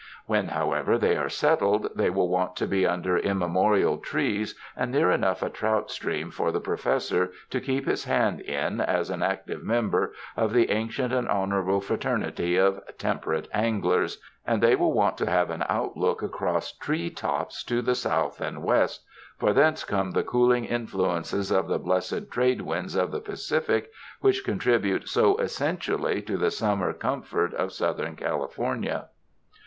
When, however, they are settled, they will want to be under immemorial trees and near enough a trout stream for the Professor to keep his hand in as an active member of the Ancient and Honorable Fraternity of Temperate Anglers ; and they will want to have an outlook across tree tops to the south and west, for thence come the cooling influences of the blessed trade winds of the Pacific, which con tribute so essentially to the summer comfort of Southern California.